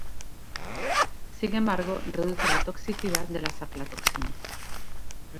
Sin embargo, reduce la toxicidad de las aflatoxinas.